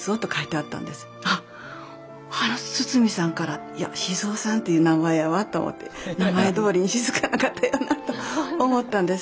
あっあの堤さんからいや雄さんっていう名前やわと思って名前どおりに静かな方やなと思ったんです。